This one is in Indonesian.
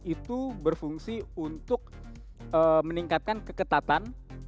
itu berfungsi untuk meningkatkan keketatan